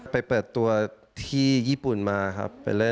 ไปเปิดตัวที่ญี่ปุ่นมาครับ